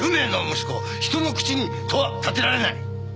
人の口に戸は立てられない。